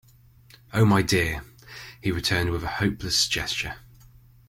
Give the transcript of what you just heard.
"Oh, my dear," he returned with a hopeless gesture.